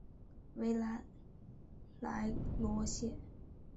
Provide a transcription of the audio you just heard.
维兰莱罗谢。